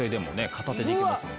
片手でいけますもんね。